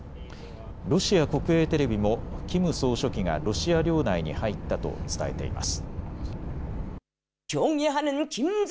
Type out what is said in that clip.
ロシア国営テレビもキム総書記がロシア領内に入ったと伝えています。